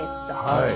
はい。